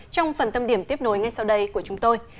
trong phần tâm điểm tiếp nối ngay sau đây của chúng tôi